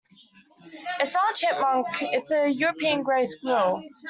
It's not a chipmunk: it's a European grey squirrel.